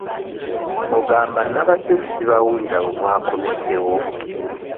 Ogamba nnabadde sibawulira we mwakomeddewo?